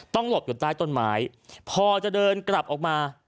หลบอยู่ใต้ต้นไม้พอจะเดินกลับออกมา